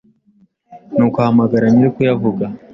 nuko Ahamagara nyir’ukuyavuga